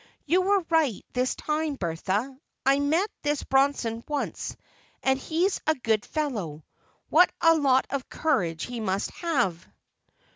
"You were right this time, Bertha. I met this Bronson once, and he's a good fellow. What a lot of courage he must have!"